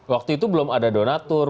waktu itu belum ada donatur